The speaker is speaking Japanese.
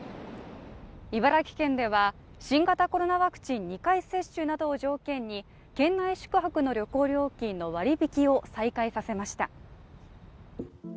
茨城県では、新型コロナワクチン２回接種などを条件に県内宿泊の旅行料金の割引きを再開させました。